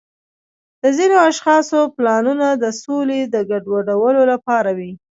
د ځینو اشخاصو پلانونه د سولې د ګډوډولو لپاره وي.